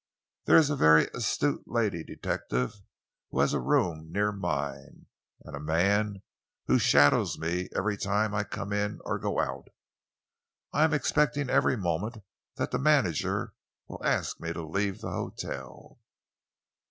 "There is a very astute lady detective who has a room near mine, and a man who shadows me every time I come in or go out. I am expecting every moment that the manager will ask me to leave the hotel."